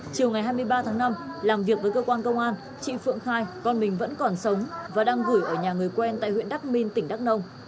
chiều ngày hai mươi ba tháng năm làm việc với cơ quan công an chị phượng khai con mình vẫn còn sống và đang gửi ở nhà người quen tại huyện đắk minh tỉnh đắk nông